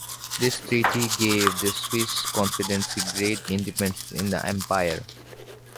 This treaty gave the Swiss Confederacy great independence in the empire.